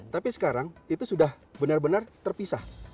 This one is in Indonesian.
tapi sekarang itu sudah benar benar terpisah